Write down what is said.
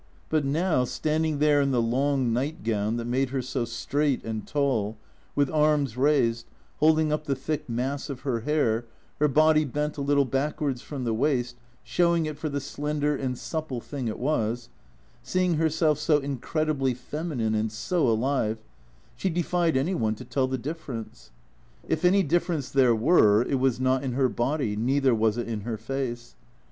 But now, standing there in the long nightgown that made her so straight and tall, with arms raised, holding up the thick mass of her hair, her body bent a little backwards from the waist, showing it for the slender and supple thing it was, see ing herself so incredibly feminine and so alive, she defied any one to tell the difference. If any difference there were it was not in her body, neither was it in her face.